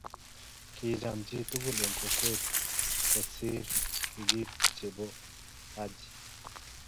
Kiicham chhi tugul eng kokweemkobochi sikiik che bo Haji